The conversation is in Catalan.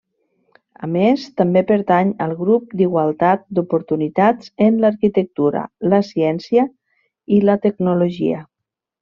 A més també pertany al Grup d'Igualtat d'Oportunitats en l'Arquitectura, la Ciència i la Tecnologia.